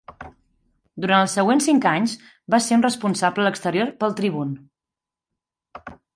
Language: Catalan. Durant els següents cinc anys, va ser un responsable a l'exterior pel "Tribune".